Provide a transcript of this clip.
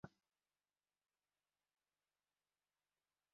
Boshqaruv jilovi endi qo`lidan chiqib ketdi, ortiq bu erda bekalik qila olmaydi